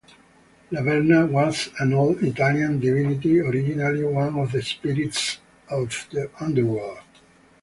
Laverna, was an old Italian divinity, originally one of the spirits of the underworld.